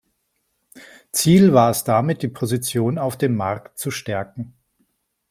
Ziel war es damit die Position auf dem Markt zu stärken.